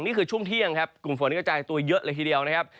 นี่คือช่วงเที่ยงครับกลุ่มฝนกระจายตัวเยอะเลยทีเดียวนะครับ